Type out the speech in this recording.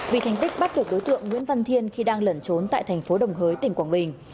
vì thành tích bắt được đối tượng nguyễn văn thiên khi đang lẩn trốn tại thành phố đồng hới tỉnh quảng bình